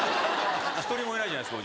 １人もいないじゃないですか。